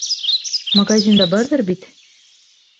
— Магазинда барҙыр бит?